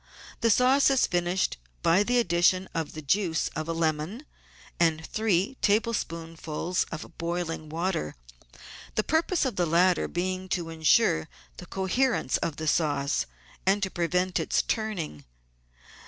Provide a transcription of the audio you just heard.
The sauce is finished by the addition of the juice of a lemon and three tablespoonfuls of boiling water — the purpose of the latter being to ensure the coherence of the sauce and to prevent its turning.